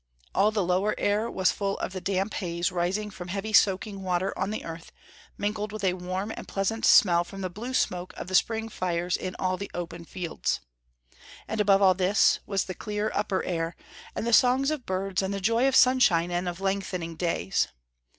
All the lower air was full of the damp haze rising from heavy soaking water on the earth, mingled with a warm and pleasant smell from the blue smoke of the spring fires in all the open fields. And above all this was the clear, upper air, and the songs of birds and the joy of sunshine and of lengthening days.